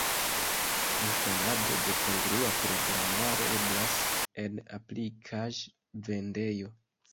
Instalado de kongrua programaro eblas en aplikaĵ-vendejo.